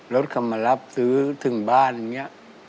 รถเขามารับซื้อถึงบ้านอย่างนี้